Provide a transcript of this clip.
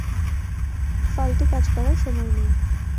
ফালতু কাজ করার সময় নেই।